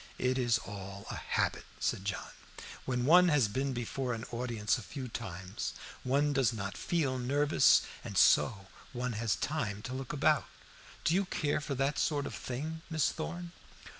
"It is all a habit," said John. "When one has been before an audience a few times one does not feel nervous, and so one has time to look about. Do you care for that sort of thing, Miss Thorn?"